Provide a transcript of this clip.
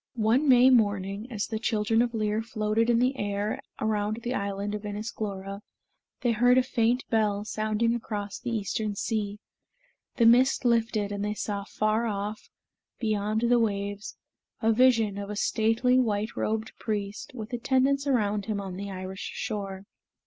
One May morning, as the children of Lir floated in the air around the island of Inis Glora, they heard a faint bell sounding across the eastern sea. The mist lifted, and they saw afar off, beyond the waves, a vision of a stately white robed priest, with attendants around him on the Irish shore.